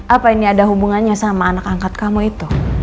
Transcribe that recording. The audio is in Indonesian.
apa ini ada hubungannya sama anak angkat kamu itu